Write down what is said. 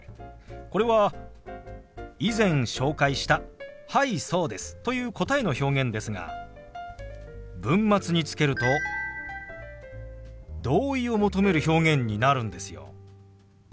これは以前紹介した「はいそうです」という答えの表現ですが文末につけると同意を求める表現になるんですよ。